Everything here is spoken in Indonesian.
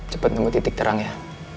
cepat nunggu titik terang ya